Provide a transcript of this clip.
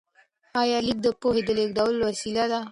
آیا لیک د پوهې د لیږد وسیله ده؟